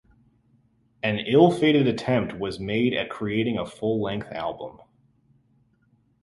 An ill-fated attempt was made at creating a full-length album.